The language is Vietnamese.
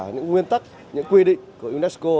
những nguyên tắc những quy định của unesco